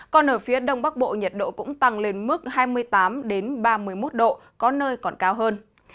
còn ở phía đông bắc bộ nhiệt độ cũng tăng lên mức hai mươi tám ba mươi một độ có nơi còn cao hơn